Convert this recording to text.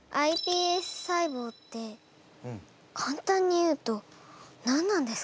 ｉＰＳ細胞ってかんたんに言うと何なんですか？